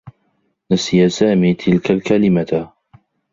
نسي سامي تلك الكلمة.